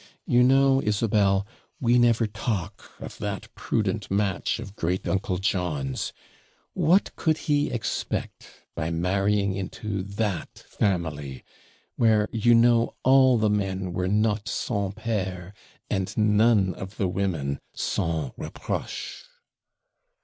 You know, Isabel, we never talk of that prudent match of great uncle John's; what could he expect by marrying into THAT family, where you know all the men were not SANS PEUR, and none of the women SANS REPROCHE.'